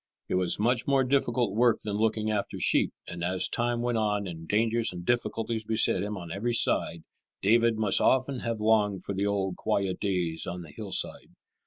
It was much more difficult work than looking after sheep, and as time went on and dangers and difficulties beset him on every side, David must often have longed for the old quiet days on the hillside.